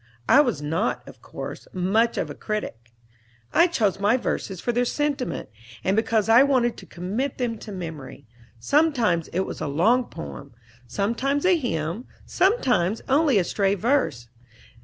I was not, of course, much of a critic. I chose my verses for their sentiment, and because I wanted to commit them to memory; sometimes it was a long poem, sometimes a hymn, sometimes only a stray verse.